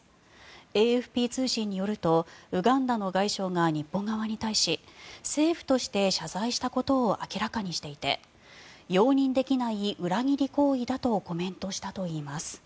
ＡＦＰ通信によるとウガンダの外相が日本側に対し政府として謝罪をしたことを明らかにしていて容認できない裏切り行為だとコメントしたといいます。